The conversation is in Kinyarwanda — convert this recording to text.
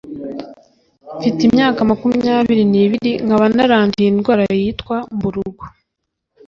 Mfite imyaka cumi n’ibiri nkaba naranduye indwara yitwa Mburugu